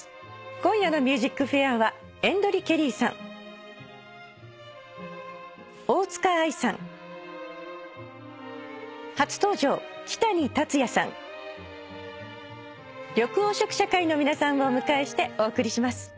今夜の『ＭＵＳＩＣＦＡＩＲ』は。の皆さんをお迎えしてお送りします。